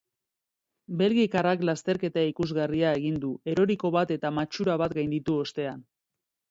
Belgikarrak lasterketa ikusgarria egin du, eroriko bat eta matxura bat gainditu ostean.